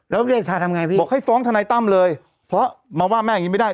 แล้วเดชาทำไงพี่บอกให้ฟ้องทนายตั้มเลยเพราะมาว่าแม่อย่างนี้ไม่ได้